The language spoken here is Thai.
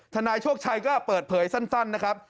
นายโชคชัยก็เปิดเผยสั้นนะครับ